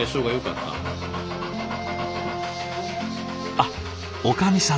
あっおかみさんと。